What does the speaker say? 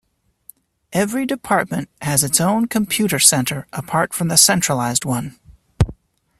Every department has its own computer centre apart from the centralised one.